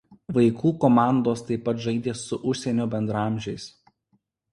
Vaikų komandos taip pat žaidė su užsienio bendraamžiais.